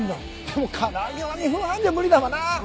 でも唐揚げは２分半じゃ無理だわな。